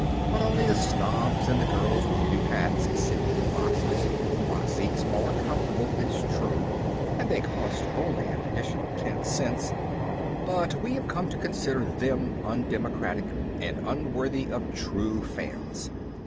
But only the snobs, and the girls with new hats, sit in the boxes. Box seats are comfortable, it is true, and they cost only an additional ten cents, but we have come to consider them undemocratic, and unworthy of true fans.